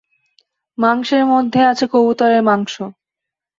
মাংসের মধ্যে আছে কবুতরের মাংস।